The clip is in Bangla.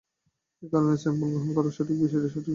একারনেই স্যাম্পল গ্রহন করার বিষয়টি সঠিক হাওয়াটা জরুরী।